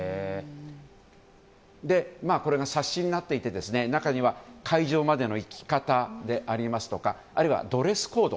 これが冊子になっていて中には会場までの行き方でありますとかあるいはドレスコード